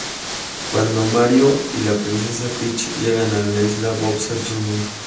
Cuando Mario y la Princesa Peach llegan a la isla, Bowser Jr.